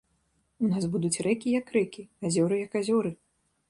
У нас будуць рэкі як рэкі, азёры як азёры.